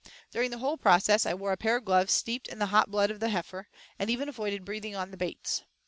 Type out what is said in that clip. During the whole process, I wore a pair of gloves steeped in the hot blood of the heifer, and even avoided breathing on the baits.